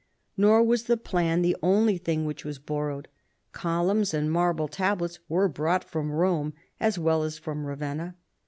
]^or was the plan the only thing "which was borrowed. Columns and marble tablets were brought from Rome as well as from Eavenna.